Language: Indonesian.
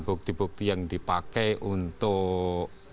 bukti bukti yang dipakai untuk